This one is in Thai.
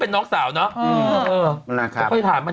ไม่ต้องถามต้องเก่งมากมี